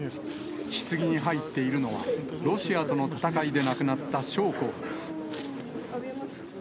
ひつぎに入っているのは、ロシアとの戦いで亡くなった将校です。